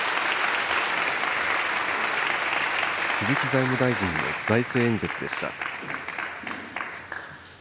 鈴木財務大臣の財政演説でした。